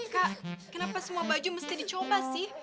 kak kenapa semua baju mesti dicoba sih